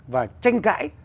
và tranh cãi